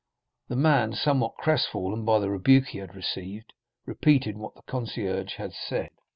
The man, somewhat crest fallen by the rebuke he had received, repeated what the concierge had said.